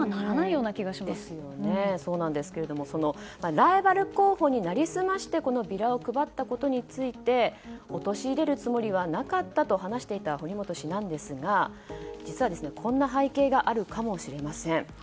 そうなんですけどもライバル候補に成り済ましてビラを配ったことについて陥れるつもりはなかったと話していた堀本氏なんですが実は、こんな背景があるかもしれません。